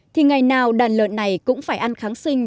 thì ngày nào đàn lợn này cũng phải ăn kháng sinh